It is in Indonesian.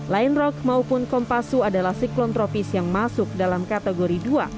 lion rock maupun kompasu adalah siklon tropis yang masuk dalam kategori dua